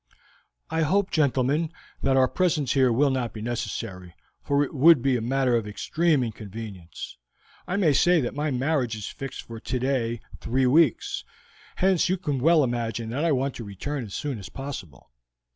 "I hope, gentlemen, that our presence here will not be necessary, for it would be a matter of extreme inconvenience. I may say that my marriage is fixed for today three weeks, hence you can well imagine that I want to return as soon as possible.